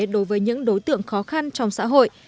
đối với những đối tượng khó khăn trong xã hội